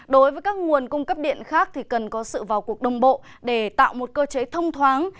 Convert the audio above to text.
đối với các nguồn cung cấp điện khác thì cần có sự vào cuộc đồng bộ để tạo một cơ chế thông thoáng